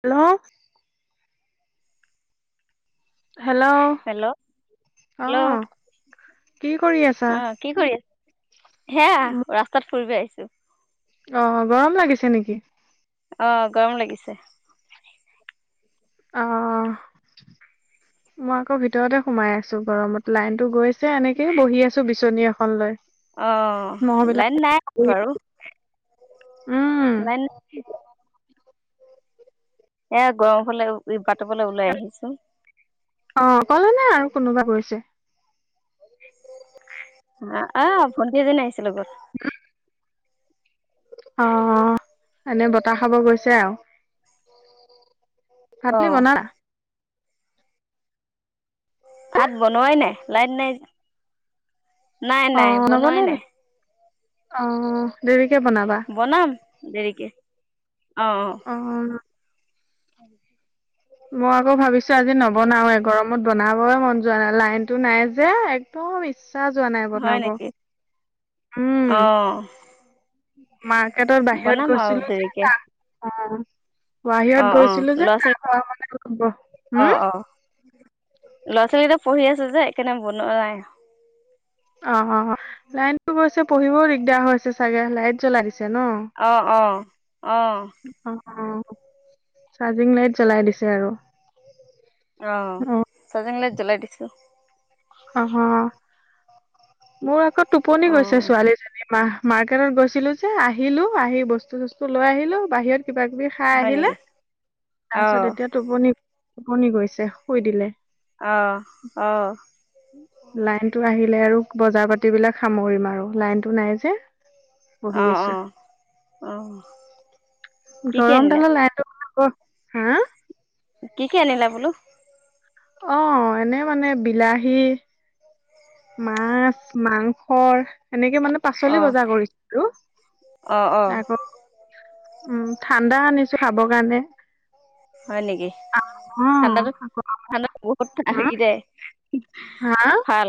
Hello hello hello hello অহ কি কৰি আছা। হেয়া ৰাস্তাত ফুৰিব আহিছোঁ। অ', গৰম লাগিছে নেকি? অ', গৰম লাগিছে। অ'। মই আকৌ ভিতৰতে সোমাই আছো গৰমত লাইনতো গৈছে এনেকেই বহি আছো বিচনী এখন লৈ অ', মহবিলাক লাইন নাই বাৰু উম মী [unintelligible] এ গৰম হলে উ অ', কলে নে আৰু কোনোবা গৈছে। আ, অ', ভণ্টি এজনী আহিছে লগত। অ', এনে বতাহ খাব গৈছে আৰু। অ ভাত কি বনা ভাত বনোৱাই নাই লাইট নাই নাই অ নাই বনোৱাই নবনাই নি নাই। অ', দেৰি বনাম দেৰিকে অ'। [inaudible] মই আকৌ ভাবিছোঁ আজি নবনাও এ গৰম বনাবই মন যোৱা নাই লাইনতো নাই যে একো ইচ চাহ যোৱা নাই হয় বনাব নেকি উম অ মাৰ্কেটত বাহিৰত বনাম আৰু গৈছিলো যে দেৰিকে তা অ'। বাহিৰত অ', গৈছিলো অ', যে লৰা তাৰ পৰা মানে ব- হম, অ', অ'। ল'ৰা ছোৱালীকেইটা পঢ়ি আছে যে এইকাৰণে বনোৱা নাই। অ', অ', লাইনতো গৈছে পঢ়িবও দিগদাৰ হৈছে চাগে লাইট জ্বলাই দিছে ন? অ', অ'। অ অ', অ', চাৰ্জিং লাইট জ্বলাই দিছে আৰু। অ', অ', চাৰ্জিং লাইট জ্বলাই দিছো। অ', মোৰ আকৌ টোপনি অ গৈছে ছোৱালীজনী মা মাৰ্কেটত গৈছিলো যে আহিলো আহি বস্তু চস্তু লৈ আহিলো বাহিৰত কিবা কিবি খাই হয় আহিলে নেকি অ তাৰপিছত এতিয়া টোপনি টোপনি গৈছে শুই দিলে। অ‌', অ। লাইনতটো আহিলে আৰু বজাৰ পাতিবলাক সামৰিম আৰু লাইনতটো নাই যে বহি অ অ আছো অ কি কি গৰম আনিলা তালৰ [unintelligible] ক হা কি কি আনিলা বোলো অ', এনে মানে বিলাহী মাছ মাংস এনেকে মানে অ পাচলি বজাৰ কৰিছো আৰু অ', অ'। উম, ঠাণ্ডা আনিছো খাব কাৰণে হয় নেকি, অ ঠাণ্ডাতো ঠাণ্ডাত বহুত হা [unintelligible] হা ভাল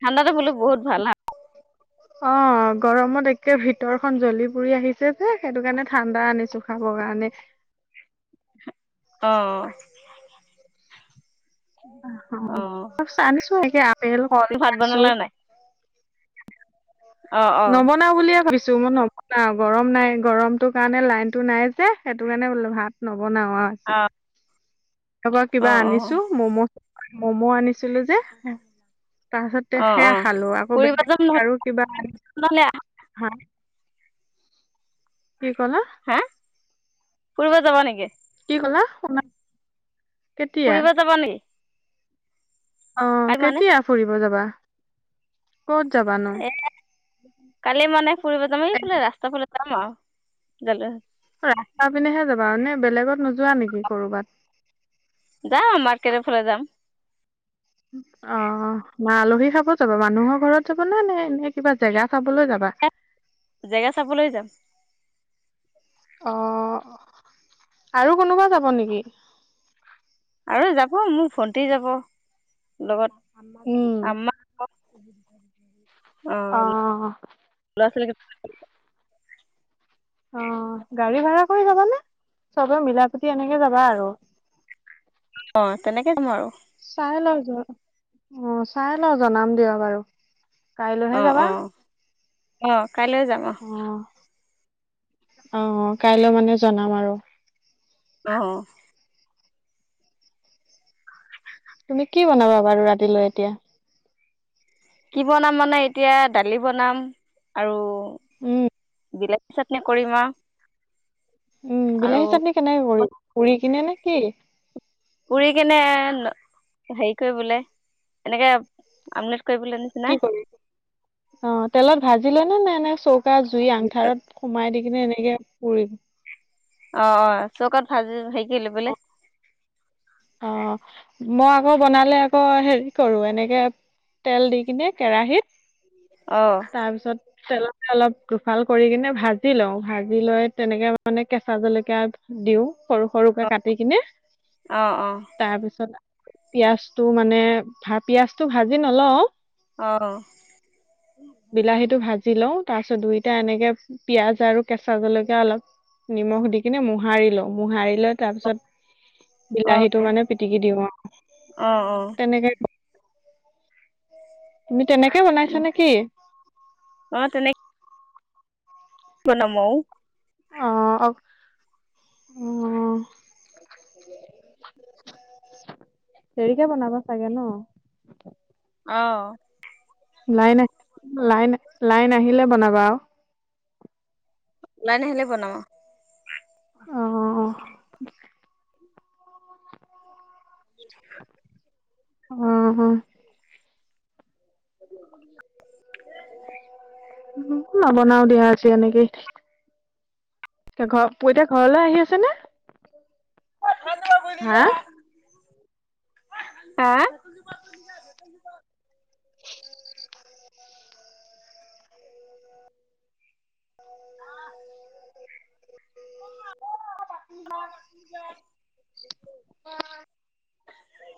ঠাণ্ডাতে বোলো বহুত ভাল না অ', গৰমত একে ভিতৰখনন জ্বলি পুৰি আহিছে যে সেইটো কাৰণে ঠাণ্ডা আনিছো খাব। কগানে অহ। অ হ [unintelligible] আনিছো নেকে আপেল কল তুমি ভাত আনছো। বনালা নাই অ অ নবনাও বুলিয়ে ভাবিছ ছো মই নবনাও গৰম নাই গৰমটো কাৰণে লাইনতটো নাই যে সেইটো কাৰণে ভাত ন বনাও অ আজি। তবা অ কিবা অ আনিছো ম'ম' ম'ম' আনিছ ছিলো যে তাৰপাছত অ সেয়া অ খালোঁ আকৌ বে ফুৰিব যাম নহ আৰু কিবা আনি নহলে হা, কি কলা। হা, ফুৰিব যাবা নেকি কি ক'লা। কেতিয়া ফুৰিব যাবা নি অ', কেতিয়া ফুৰিব যাবা। ক'ত যাব নো? এ কালি মানে ফুৰিব যাম এইফালে ৰাস্তা ফালে যাম আৰু জাল ৰাস্তা পিনেহে যাবা এনেে বেলেগত নোযোৱা নেকি কৰবাত। যাম মাৰ্কেটৰ ফালে যাম। অ', না আলহী খাব যাবা মানুহৰ ঘৰত যাব না নে এনে কিবা জেগা চাবলৈ যাব বা। জেগা চাবলৈ যাম। অ', আৰু কোনোবা যাব নেকি? আৰু যাব মোৰ ভণ্টি যাব লগত উম আম্মা সুবিধা য অহ। লৰা-ছোৱালী অ', গাড়ী ভাৰা কৰি যাবানে? চবে মিলাপতি এনেকে যাবা আৰু। [inaudible] অ', তেনেকে কম আৰু। চাই ল' অ', চাই ল' জনাম দিয় বাৰু। কাইলৈহে যাবা। অহ, কাইলৈও যাম অ'। অ', কাইলৈ মানে জনাম আৰু। অহ। তুমি কি বনাবা বাৰু ৰাতিলৈ এতিয়া? কি বনাম মানে এতিয়া দালি বনাম আৰু উম। বিলাহীৰ চাটনি কৰি আৰু। উম, বিলাহী চাটনি কেনেকে কৰিব? পুৰি কিনে নে কি? উৰি কেনে হেৰি কৰি বোলে এনেকে আমলেট। কৰিবলে নিচিনা কি কৰি। অ' তেলত ভাজিলেনেে নে এনে চৌকা জুই আঙঠাৰত সোমাই দি। কিমে এনেকে পুৰিম। অ' অ' চৌকাত ভাজি হেৰি কি লৈ পেলাই। অ' মই আকৌ বনালে আকৌ হেৰি কৰো এনেকে। তেল দি কিনে অ কেৰাহিত তাৰপিছত তেলত এ অলপ দুফাল কৰি কিনে ভাজি লওঁ ভাজি লৈ তেনেকে মানে কেঁচা জলকীয়া। দিও সৰু সৰুকে কাটি কিনে অ অ তাৰপিছত পিয়াজটো মানে ভা পিয়াজটো ভাজি নলও। অ অ বিলাহীটো ভাজি লওঁ। তাৰ পিছত দুইটাই এনেকে পিয়াঁজ আৰু কেঁচা জলকীয়া অলপ নিমখ দি কিনে মোহাৰি লও মোহাৰি লৈ তাৰপিছত বিলাহীটো মানে অ পিটিকি দিওঁ আও অ তেনেকে তুমি তেনেকে বনাইছা নেকি অ অ তেনেকে বনাম আও অহ উম [unintelligible] দেৰিকে বনাব চাগে ন? অ লাইন আ লাইন লাইন আ আহিলে বনাবা আও। লাইন আহিলে বনোৱা। অ', [inaudible] [inaudible] উম -উম নবনাও দিয়া এনেকেই ঠিক। ঘৰ [inaudible] ঘৰলৈ আহি আছে নে। হা? আ [inaudible] [unintelligible]